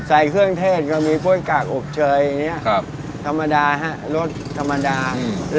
ใส่เครื่องเทศก็มีกล้วยกากอบเชยอย่างนี้ครับธรรมดาฮะรสธรรมดา